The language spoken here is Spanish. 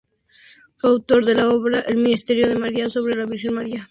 Fue autor de la obra "El Misterio de María", sobre la Virgen María.